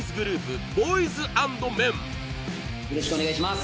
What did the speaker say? よろしくお願いします